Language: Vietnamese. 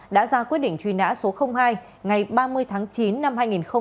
đã ra quyết định truy nã số hai ngày ba mươi tháng chín năm hai nghìn một mươi